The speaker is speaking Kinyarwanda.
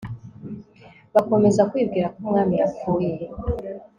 Bakomeza kwibwira ko umwami yapfuye